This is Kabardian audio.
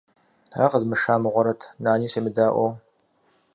Тхьэ къэзмыша мыгъуэрэт, Нани семыдаӏуэу.